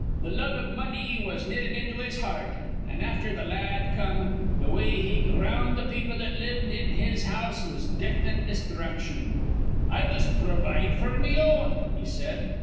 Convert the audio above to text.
Th' love iv money was knitted into his heart; an', afther th' la ad come, th' way he ground th' people that lived in his house was death an' destruction. 'I must provide f'r me own,' he said.